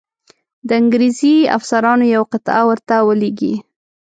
د انګرېزي افسرانو یوه قطعه ورته ولیږي.